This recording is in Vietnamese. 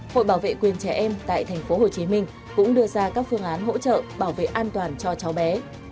hội bảo vệ quyền trẻ em tại tp hcm cũng đưa ra các phương án hỗ trợ bảo vệ an toàn cho cháu bé